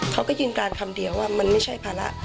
เขาก็ยืนการคำเดียวว่ามันไม่ใช่ภาระ